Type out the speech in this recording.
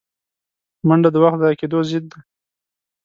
منډه د وخت ضایع کېدو ضد ده